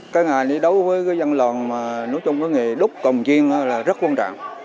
cái ngày này đấu với cái dân lòn mà nói chung cái nghề đúc cồng chiêng là rất quan trọng